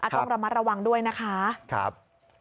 ต้องระมัดระวังด้วยนะคะครับครับ